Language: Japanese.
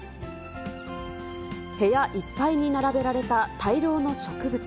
部屋いっぱいに並べられた大量の植物。